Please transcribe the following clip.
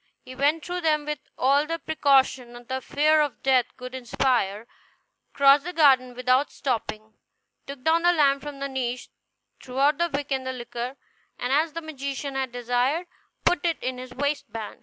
He went through them with all the precaution the fear of death could inspire, crossed the garden without stopping, took down the lamp from the niche, threw out the wick and the liquor, and, as the magician had desired, put it in his waistband.